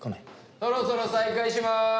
そろそろ再開します。